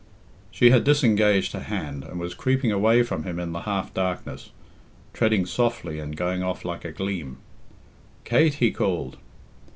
She had disengaged her hand, and was creeping away from him in the half darkness, treading softly and going off like a gleam. "Kate!" he called.